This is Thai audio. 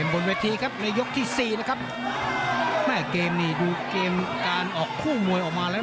บนเวทีครับในยกที่สี่นะครับแม่เกมนี่ดูเกมการออกคู่มวยออกมาแล้ว